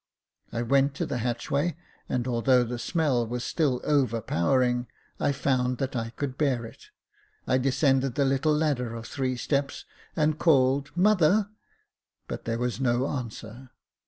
I went to the hatchway, and although the smell was still overpowering, I found that I could bear it. I descended the little ladder of three steps, and called Mother !" but there was no answer.